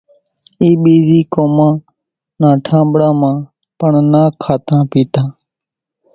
ٻيزِي قومان نان ٺانٻڙان مان پڻ نا کاتان پيتان۔